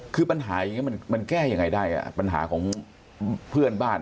คือปัญหาอย่างนี้มันแก้ยังไงได้ปัญหาของเพื่อนบ้าน